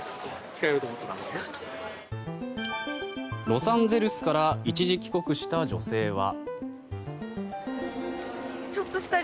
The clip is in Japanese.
ロサンゼルスから一時帰国した女性は。